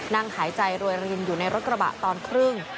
หายใจรวยรินอยู่ในรถกระบะตอนครึ่ง